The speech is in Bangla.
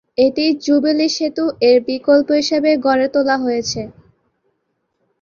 এটি জুবিলি সেতু এর বিকল্প হিসেবে গড়ে তোলা হয়েছে।